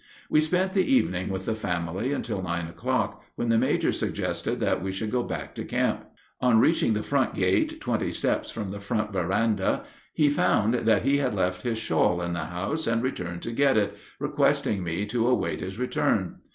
We spent the evening with the family until nine o'clock, when the major suggested that we should go back to camp. On reaching the front gate, twenty steps from the front veranda, he found that he had left his shawl in the house, and returned to get it, requesting me to await his return.